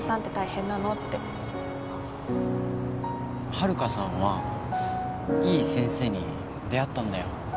はるかさんはいい先生に出会ったんだよ。